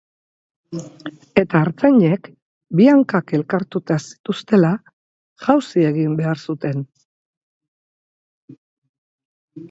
Eta artzainek, bi hankak elkartuta zituztela jauzi egin behar zuten.